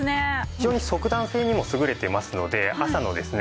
非常に速暖性にも優れてますので朝のですね